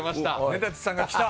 根建さんが来た！